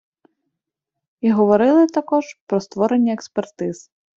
І говорили також про створення експертиз.